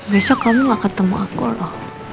besok kamu gak ketemu aku loh